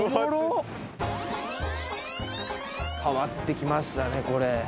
変わって来ましたねこれ。